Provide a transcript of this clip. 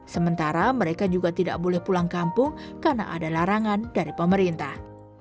sementara mereka juga tidak boleh pulang kampung karena ada larangan dari pemerintah